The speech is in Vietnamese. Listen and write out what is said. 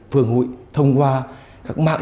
phường hội thông qua các mạng